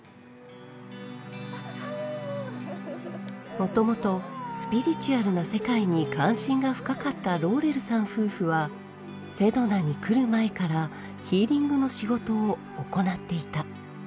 もともとスピリチュアルな世界に関心が深かったローレルさん夫婦はセドナに来る前からヒーリングの仕事を行っていた。